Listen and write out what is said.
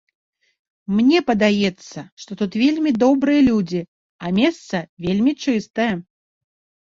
Мне прадаецца, што тут вельмі добрыя людзі, а месца вельмі чыстае.